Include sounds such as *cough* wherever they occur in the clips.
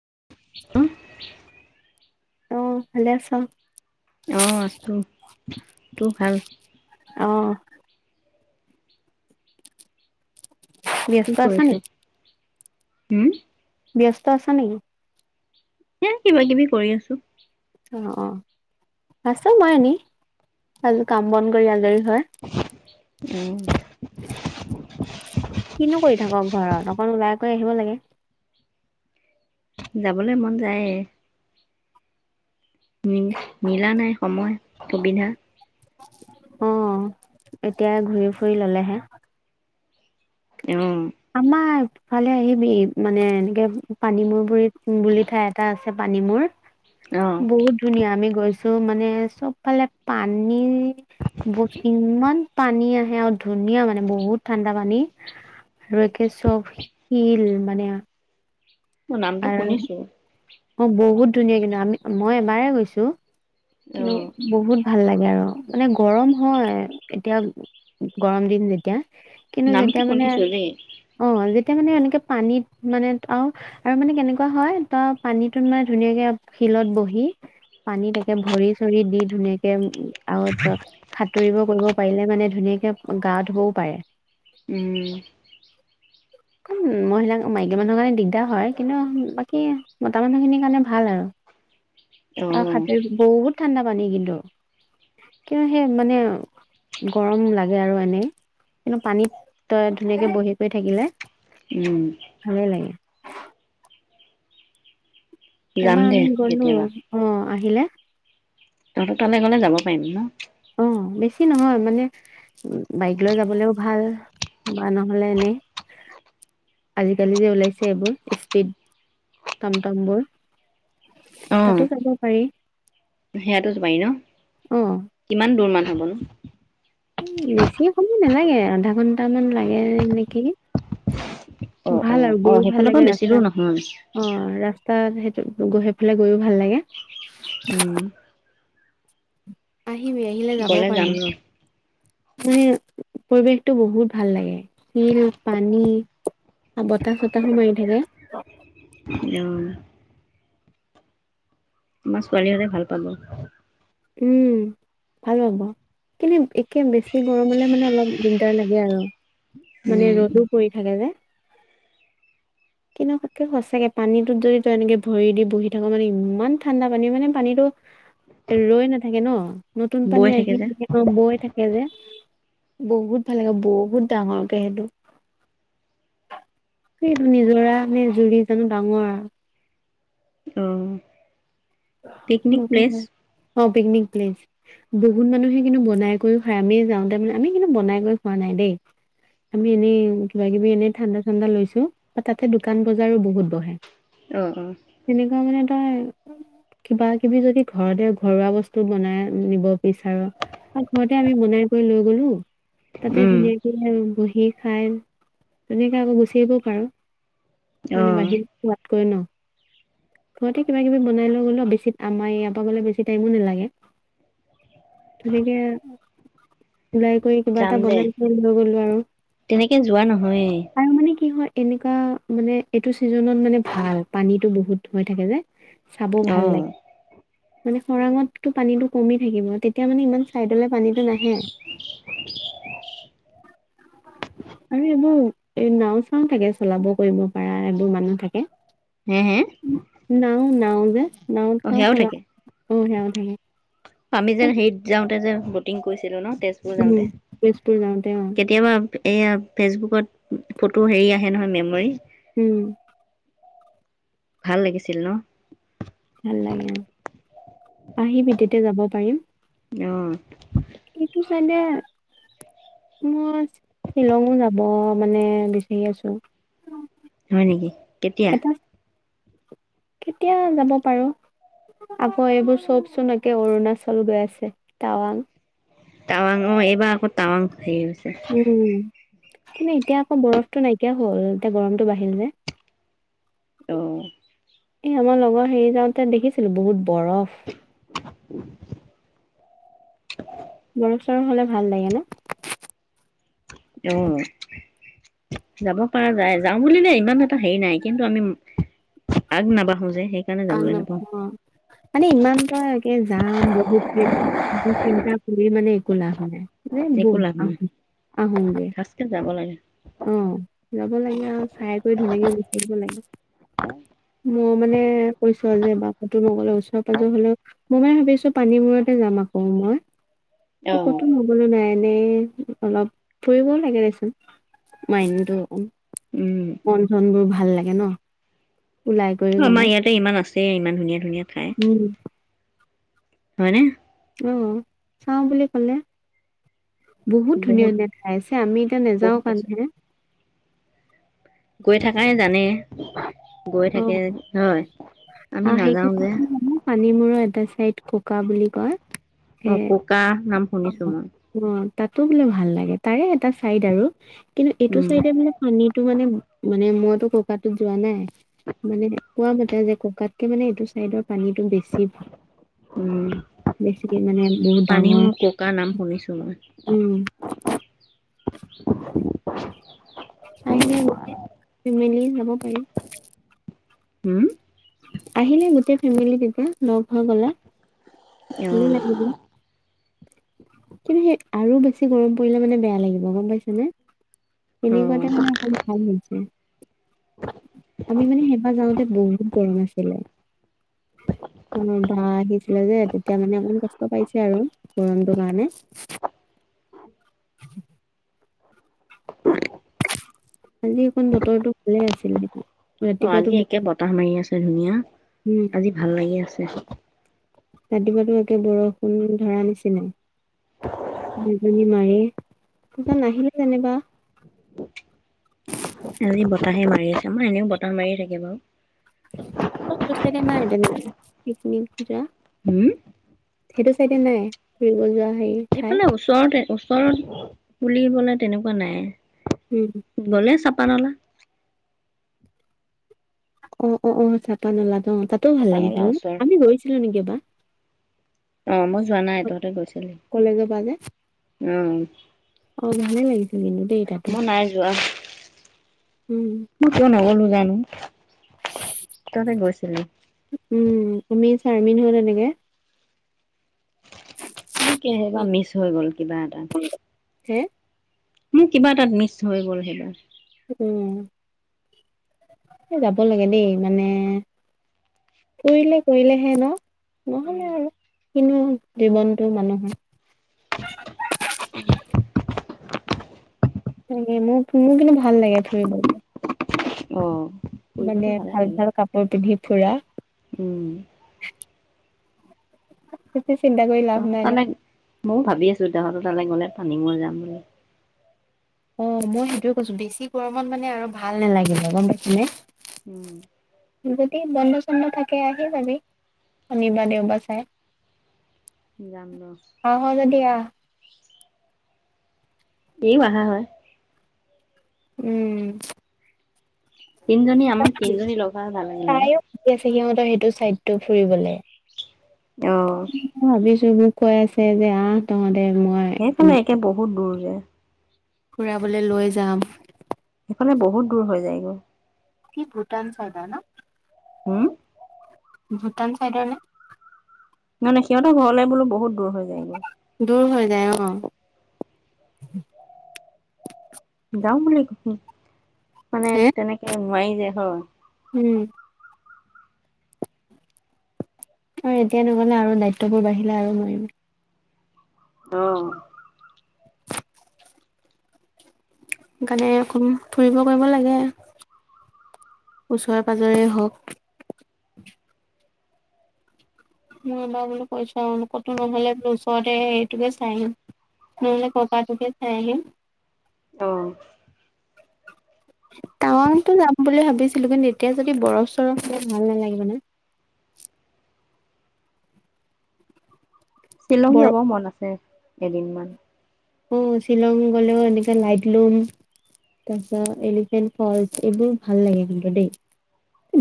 *inaudible* অ' ভালে আছা? অ' আছো। তোৰ ভাল? অ'। কি ব্যস্ত আছা কৰিছ নেকি? হম। ব্যস্ত আছা নেকি? এ কিবা কিবি কৰি আছো। অ' অ আছো মই এনে কাম বন কৰি আজৰি হয় উম। *inaudible* কিনো কৰি থাক ঘৰত অকন ওলাই কৰি আহিব লাগে। যাবলৈ মন যায়েই মিলা নাই সময় সুবিধা। অ' এতিয়া ঘূৰি ফুৰি ল'লেহে। অ আমাৰ ফালে আহিবি মানে এনেকে পানীমূৰ হৈ হুং বুলি ঠাই এটা আছে। পানীমোৰ অ বহুত ধুনীয়া আমি গৈছো। চব মানে চবফালে পানী *unintelligible* ইমান পানী আহে আৰু ধুনীয়া মানে বহুত ঠাণ্ডা পানী। *unintelligible* ইভাগে চব শিল মানে আ উম নামটো শুনিছো। অ' বহুত ধুনীয়া কিন্তু আমি, মই এবাৰে গৈছো। অ কিন্তু বহুত ভাল লাগে আৰু। মানে গৰম হয়, এতিয়া গৰম দিন যেতিয়া। কিন্তু নামটো যেতিয়া মানে, শুনিছো দেই অ', যেত তাৰমানে এনেকে পানীত মানে আৰু। আৰু মানে কেনেকুৱাঁ হয় তা পানীটোত মানে ধুনীয়াকে শিলত বহি, পানী তাকে ভৰি-চৰি দি ধুনীয়াকে আৰু সাঁতুৰিব কৰিব পাৰিলে মানে ধুনীয়াকে গা-ধুবও পাৰে। উম'। উম'মহিলা, মাইকী মানুহৰ কাৰণে দিগদাৰ হয়। কিন্তু বাকী মতা মানুহখিনিৰ কাৰণে ভাল আৰু অ আৰু খাতে বহুত ঠাণ্ডা পানী কিন্তু, কিয় সেই মানে গৰম লাগে আৰু এনেই কিন্তু পানীত তই ধুনীয়াকে বহি কৰি থাকিলে উম'। ভালে লাগে যাম এবাৰ দে আমি গ'লো, কেতিয়াবা অ', আহিলে? তহঁতৰ তালে গ'লে যাব পাৰিম ন? অ', বেছি নহয়, মানে বাইক লৈ যাবলৈও ভাল বা নহ'লে এনেই আজিকালি যে ওলাইছে এইবোৰ স্পীড টমটমবোৰ। অ তাতো যাব পাৰি। সেয়াতো পাৰি ন? অ কিমান দূৰ মান? হ'ব নো। উম' বেছি সময় নালাগে, আধা ঘন্টামান লাগে নেকি। অ', ভাল অ', আৰু অ', গৈও ভাল সেইফালৰ পৰা বেছি দূৰ নহয়। তাত সেইটো গৈ, সেইফালে গৈইও ভাল লাগে। উম'। আহিবি আহিলে যাব গ'লে যাম পাৰিম। ৰ মানে পৰিৱেশটো বহুত ভাল লাগে, শিল, পানী, আ বতাহ-চতাহো মাৰি থাকে। অ আমাৰ ছোৱালী হঁতে ভাল পাব। উম' ভাল পাব, কিন্তু একে বেছি গৰমলে মানে অলপ দিগদাৰ লাগে আৰু উম মানে ৰ'দো পৰি থাকে যে। কিন্তু তাতে সঁচাকে পানীটোত যদি তই এনেকে ভৰি দি বহি থাক', মানে ইমান ঠাণ্ডা পানী, মানে পানীটো ৰৈ নাথাকে ন, নতুন পানী বৈ আহি যে থাকে অ বৈ থাকে যে বহুত ভাল লাগে, বহুত ডাঙৰকে সেইটো। সেই নিজৰা নে জুৰি জানো ডাঙৰ আৰু অ', পিকনিক প্লেচ অ', পিকনিক প্লেছ বহুত মানুহে কিন্তু বনাই কৰিও খায়। আমি যাওঁ তাৰ মানে আমি কিন্তু বনাই কৰি খোৱা নাই দেই। আমি এনেই কিবা কিবি এনেই ঠাণ্ডা ঠাণ্ডা লৈছো বা তাতে দোকান বজাৰো বহুত বহে। অ অ তেনেকুৱা মানে তাই *inaudible* কিবা কিবি যদি ঘৰতে ঘৰুৱা বস্তু বনাই নিব বিচাৰোঁ, ত ঘৰতে আমি বনাই কৰি লৈ গলো। তাতে উম ধুনীয়াকে বহি খাই তেনেকে আকৌ গুছি আহিব পাৰোঁ। অ মানে বাহি কৈ ন। ঘৰতে কিবা কিবি বনাই লৈ গ'লেও বেছিত, আমাৰ ইয়াৰ পৰা গলে বেছি টাইমো নালাগে। তেনেকে, লাই কৰি কিবা যাম এটা দে বনাই খাবলৈ লৈ গলো আৰু। তেনেকে যোৱা নহয়েই আৰু মানে কি হয়, এনেকুৱা, মানে এইটো চিজনত মানে ভাল। পানীতটো বহুত হৈ থাকে যে। চাব অ ভাল লাগে। মানে খৰাঙতটো পানীটো কমি থাকিব, তেতিয়া মানে ইমান ছাইডলে পানীটো নাহে, আৰু এইবোৰ এই নাও চাও থাকে, চলাব কৰিব পাৰা এইবোৰ মানুহ থাকে। হে হে নাওঁ নাওঁ যে। নাওঁ অ চাওঁ সেয়াও চলা থাকে অ সেয়াও থাকে। আমি যেন হেৰিত যাওঁতে যেন, বটিং কৰিছিলোঁ ন। তেজপুৰ উম, যাওঁতে তেজপুৰ যাওঁতে অ। কেতিয়াবা এইয়া ফেচবুকত ফটো হেৰি আহে নহয় মেমৰি। উম। ভাল লাগিছিল ন? ভাল লাগে অ আহিবি তেতিয়া অ। এইটো চাইে, মই শ্বিলঙো যাব, মানে বিচাৰি আছোঁ। হয় নেকি? কেতিয়া? কেতিয়া যাব পাৰোঁ, আকৌ এইবোৰ চবচোন একে অৰুণাচল গৈ আছে, টাৱাং। টাৱাং অ, এইবাৰ আকৌ টাৱাং হেৰি হৈছে। উম। কিন্তু এতিয়া আকৌ বৰফটো নাইকিয়া। হ'ল এতিয়া গৰমটো বাঢ়িল যে। আহ। এ আমাৰ লগৰ হেৰি যাওঁতে দেখিছিলো, বহুত বৰফ্। *inaudible* বৰফ চৰফ হলে ভাল লাগে ন? অ। যাব পৰা যায়। যাওঁ বুলিলে ইমান এটা হেৰি নাই। কিন্তু আমি, আগ নাবাঢ়ো যে। সেইকাৰণে আগ যাবলৈ নাপাওঁ নাবাঢ়ো অ', মানে ইমান পুৱা একে যাম বহুত চিন্তা কৰি মানে কৈ লাভ নাই যে একো বলে, লাভ নাই আহ, আহোগে। ফাৰ্ষ্টকে যাব লাগে। অ', যাব লাগে আৰু চাই কৰি ধুনীয়াকে গুচি আহিব লাগে। মই মানে কৈছোঁ আৰু যে, বা ক'তো নগ'লা, ওচৰে-পাঁজৰে হ'লেও। মই, মানে, ভাবিছোঁ পানীমূৰতে যাম আকৌ মই অ', ক'তো নগ'লে নাই। সেয়ে অলপ ফুৰিবও লাগে দেচোন। মাইণ্ডটো, উম মন-চনবোৰ ভাল লাগে ন'? ওলাই কৰি আমাৰ গলে ইয়াতে ইমান আছ চেই, ইমান ধুনীয়া ধুনীয়া ঠাই উম, হয়নে? অ', চাওঁ বুলি ক'লে বহুত ধুনীয়া ধুনীয়া ঠাই আছে। আমি এতিয়া নাযাওঁ বহুত আছে কাৰণেহে। গৈ থাকাই জানেই অ', আমি অ'। নাযাও যে সেইখিনি, মানে, পানীমূৰৰ এটা চাইড সেইটো ককা বুলি কয়। সে অ', ককা নাম অ শুনিছোঁ মই। অ তাতো কিন্তু ভাল লাগে। তাৰে এটা চাইড আৰু কিন্তু এইটো উম চাইডে, মানে, পানীটো, মানে, মানে, মজ মই ককাটোত যোৱা নাই। মানে কোৱা মতে যে ককাতকে মানে এইটো চাইডত পানীতটো বেছি ঢৈ উম বেছিকে মানে বহুত পানী ডাঙৰ, মোৰ ককা নাম শুনিছো মই উম। *inaudible* আহিল মেলি যাব পাৰি। হম। আহিলে গোটেই ফেমিলি তেতিয়া লগ হৈ গ'লে অ ভালো লাগিব। কিন্তু সেই আৰু বেছি গৰম পৰিলে মানে বেয়া লাগিব, গম পাইছে নে? অ এনেকুৱাতে মানে অকন ভাল হৈছে। আমি মানে সেইবাৰ যাওঁতে বহুত গৰম আছিলে অ', বা আহিছিলে যে তেতিয়া মানে অকন কষ্ট পাইছে আৰু গৰমটো কাৰণে। *inaudible* কালি অকন বতৰটো ভালে আছিলে। অ', ৰাতিপুৱাতো আজি একে বতাহ মাৰি আছে ধুনীয়া, উম আজি ভাল লাগি আছে। *inaudible* ৰাতিপুৱাতো একে বৰষুণ ধৰা নিচিনাই বিজুলী মাৰি পিচে নাহিলে যেনিবা। আজি বতাহে মা। মাৰি আছে আমাৰ এনেও বতাহ মাৰিয়ে থাকে বাৰু। উ *unintelligible* যা উম সেইটো চাইডে নাই। ফুৰিব যোৱা। হেৰি ঠাই এইফালে ওচৰতে ওচৰত পুলিবলে তেনেকুৱা নাই। উম গলে চাপ। পানলা। অ', অ', চাপানালাত অ। তাতো ভাল চাপানলা লাগিছিল ন ওচৰ আমি গৈছিলো নেকি এবাৰ। অ', মই যোৱা নাই তহতে গৈছ। কলেজ পা যে। অ', অ', ভালে লাগিছিল কিন্তু দেই তাতো। মই নাই যোৱা উম, মই কিয় নগলো। জানো। তহঁতে গৈছিলি উম উমি। চাৰ্মিন হত তেনেকে। *unintelligible* মোৰ কেহবা মিছ হৈ গ'ল কিবা এটা। হে। মোৰ কিবা এটা মিছ হৈ গ'ল সেইবা। উম যাব লাগে দেই মানে ফুৰিলে কৰিলেহে ন। উম নহলে আৰু কিনো। জীৱনটো মানুহৰ। মোৰ, মোৰ কিন্তু ভাল লাগে ফুৰিব। অ', মানে ফুৰিবতো ভালে ভাল লাগে ভাল কাপোৰ পিন্ধি ফুৰা। উম বেছি চিন্তা কৰি লাভ নাই ন *unintelligible* ভাবি আছিলো *unintelligible* তালে গ'লে পানী মোৰ যাম বুলি। অ', মই সেইটোয়ে কৈছো বেছি গৰমত মানে আৰু ভাল নালাগিলে গম পাইছেনে? উম যদি বন্ধ চন্ধ থাকে আহি ভাবি শনিবা দেওবা চাই জান ল আহ যদি আহ এই আহা হয় উম তিজনী আমাক তিজনী লোক ভাল লাগিল ন তাইও মাতি আছে সিহঁতৰ সেইটো চাইডটো ফুৰিবলে। আহ যবোৰ কৈ আছে যে আহ তহত। সেইফালে একে বহুত দূৰ তি *unintelligible* ফুৰাবলৈ লৈ যাম। সেফালে বহুত দূৰ হৈ যায়গৈ। কি ভূটান চদ ন হম। ভূটান চাইডৰ ন নহ নে সিহঁতৰ ঘৰলে বোলো বহুত দূৰ হৈ যায় গে। দূৰ হৈ যায় অ। যাম বুলি ক মানে হে তেনেকে নোৱাৰি যে হয়। উম আৰু এতিয়া নগলে আৰু দায়িত্ববোৰ বাঢ়িলে আৰু নোৱাৰিম। আহ সেইকাৰণে ফুৰিব কৰিব লাগে ওচৰে পাজৰে হওক। মই বা বোলো কৈ চাও কটো নহ'লে বোলো ওচৰতে হটোকে চাই আহিম নহ'লে ককাটোকে চাই আহিম। আহ। তাৱাংটো যাম বুলি ভাবিছিলো কিন্তু এতিয়া যদি বৰফ চৰফ হলে ভাল নালাগিব ন শ্বিলং বৰফ যাবৰ মন আছে। দে এদিনমান। অ শ্বিলং গলেও এনেকে লাইটলুম তাৰপিছত এলিফেন্ট ফলচ এইবোৰ ভাল লাগে কিন্তু দেই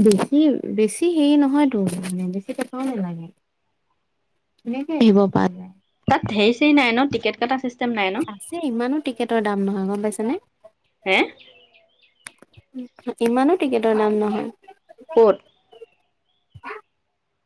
বেছি বেছি হেৰি নহয়তো মানে বেছি টকাও নালাগে ধুনীয়া কে আহিব পৰা যায়। সেৰি চেৰি নাই ন টিকেট কটা চিছ আছে ইমানো টিকেটৰ দাম নহয না গল পাইছে নে। হে ইমানো টিকেটৰ দাম নহয়। ক'ত আহ।